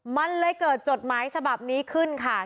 มันเลยเกิดจดหมายฉบับนี้ขึ้นค่ะ